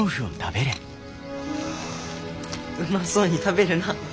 うまそうに食べるな。